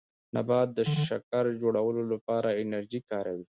نبات د شکر جوړولو لپاره انرژي کاروي